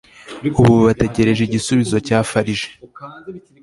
ubu bategereje igisubizo cya farg